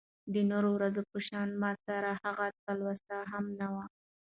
د نورو ورځو په شان ماسره هغه تلوسه هم نه وه .